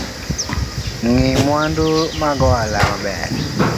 Ng’i mwandu mag ohala maber